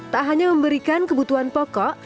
tak hanya memberikan kebutuhan pokok